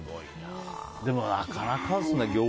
でも、なかなかですね。